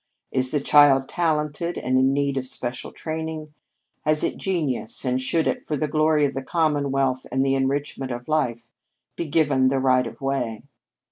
Is the child talented, and in need of special training? Has it genius, and should it, for the glory of the commonwealth and the enrichment of life, be given the right of way?